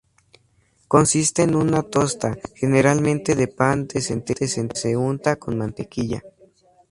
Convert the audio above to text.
Consiste en una tosta, generalmente de pan de centeno que se unta con mantequilla.